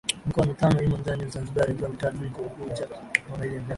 Mikoa mitano imo ndani ya Zanzibar ikiwa mitatu iko Unguja na miwili Pemba